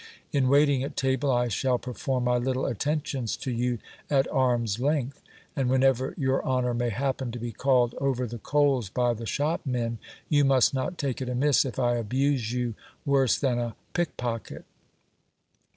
In waiting at table, I shall perform my little attentions to you at arm's length ; and whenever your honour may happen to be called over the coals by the shopmen, you must not take it amiss if I abuse you worse than a pick pocket.